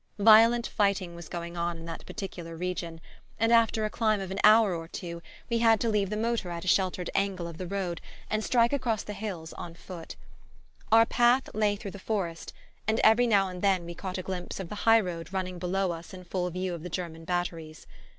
Violent fighting was going on in that particular region, and after a climb of an hour or two we had to leave the motor at a sheltered angle of the road and strike across the hills on foot. Our path lay through the forest, and every now and then we caught a glimpse of the high road running below us in full view of the German batteries.